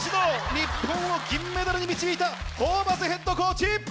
日本を銀メダルに導いたホーバスヘッドコーチ！